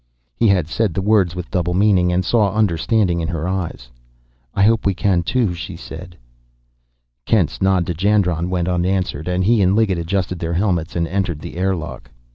He had said the words with double meaning, and saw understanding in her eyes. "I hope we can, too," she said. Kent's nod to Jandron went unanswered, and he and Liggett adjusted their helmets and entered the airlock.